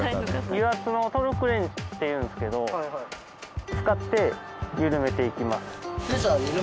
油圧のトルクレンチっていうんですけど使って緩めていきます。